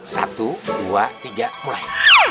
satu dua tiga mulai